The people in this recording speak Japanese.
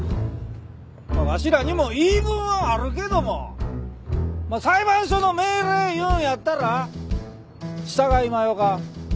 わしらにも言い分はあるけどもまあ裁判所の命令言うんやったら従いまひょか。